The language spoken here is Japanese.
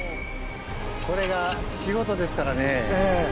これが仕事ですからね。